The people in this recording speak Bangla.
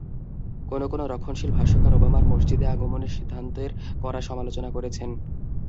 কোনো কোনো রক্ষণশীল ভাষ্যকার ওবামার মসজিদে আগমনের সিদ্ধান্তের কড়া সমালোচনা করেছেন।